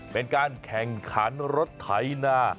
เป็นการแข่งขันรถไถนา